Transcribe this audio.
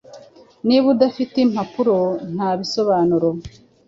Niba udafite impapuro ntabisobanuro.